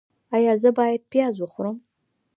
ایا زه باید پیاز وخورم؟